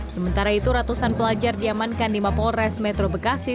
sementara itu ratusan pelajar diamankan di mapolres metro bekasi